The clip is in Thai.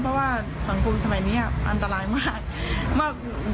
เพราะว่าสังคมสมัยนี้อันตรายมาก